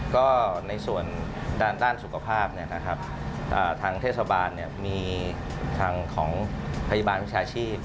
ก็ในส่วนด้านสุขภาพทางเทศบาลมีทางของพยาบาลวิชาชีพ